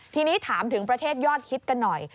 ทีนี้ถามถึงประเทศยอดฮิตกันหน่อย